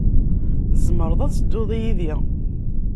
Tzemreḍ ad tedduḍ yid-i.